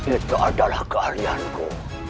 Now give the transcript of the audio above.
itu adalah kealihanku